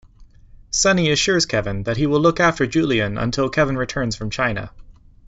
Sonny assures Kevin that he will look after Julian until Kevin returns from China.